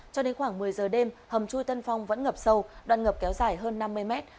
cho đến khoảng một mươi giờ đêm hầm chui tân phong vẫn ngập sâu đoạn ngập kéo dài hơn năm mươi mét